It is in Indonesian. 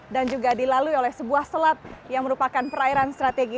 juga dilalui oleh sebuah selat yang merupakan perairan strategi